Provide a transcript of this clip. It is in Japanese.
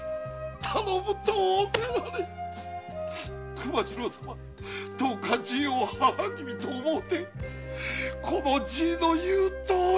熊次郎様どうかじいを母君と思うてじいの言うとおりに。